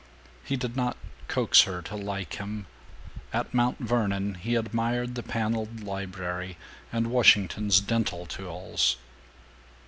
He did not coax her to like him. At Mount Vernon he admired the paneled library and Washington's dental tools.